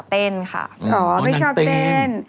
เต้นค่ะอ๋อไม่ชอบเต้นนันเต้น